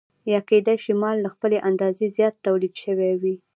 یا کېدای شي مال له خپلې اندازې زیات تولید شوی وي